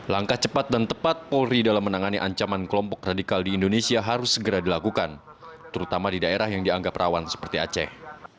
langkah cepat dan tepat polri dalam menangani ancaman kelompok radikal di indonesia harus segera dilakukan terutama di daerah yang dianggap rawan seperti aceh